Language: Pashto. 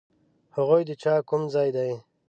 هغوی د کوم ځای دي؟